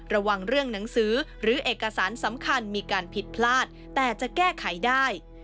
ระวังเรื่องหนังสือหรือเอกสารสำคัญมีการผิดพลาดแต่จะแก้ไขได้